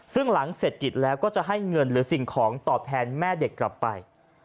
ซึ่งหลังเศรษฐกิจแล้วก็จะให้เงินหรือสิ่งของตอบแทนแม่เด็กกลับไป